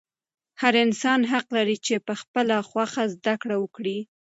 هر انسان حق لري چې په خپله خوښه زده کړه وکړي.